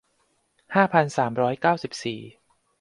ห้าพันสามร้อยเก้าสิบสี่